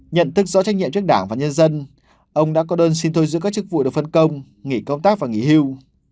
nhận thức rõ trách nhiệm trước đảng và nhân dân ông đã có đơn xin thôi giữ các chức vụ được phân công nghỉ công tác và nghỉ hưu